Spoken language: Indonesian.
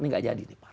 ini tidak jadi